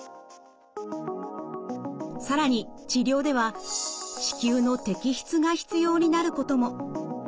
更に治療では子宮の摘出が必要になることも。